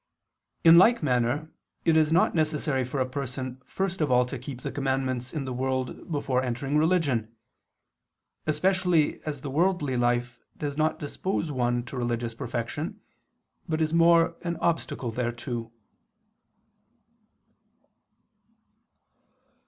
In like manner it is not necessary for a person first of all to keep the commandments in the world before entering religion; especially as the worldly life does not dispose one to religious perfection, but is more an obstacle thereto.